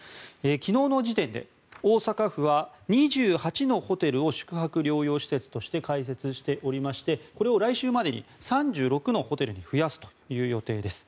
昨日の時点で大阪府は２８のホテルを宿泊療養施設として開設しておりましてこれを来週までに３６のホテルに増やすという予定です。